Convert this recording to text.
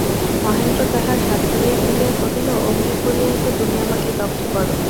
মহেন্দ্র তাহার হাত ধরিয়া ফেলিয়া কহিল, অমনি করিয়াই তো তুমি আমাকে দগ্ধ কর।